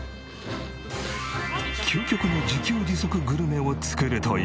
究極の自給自足グルメを作るという。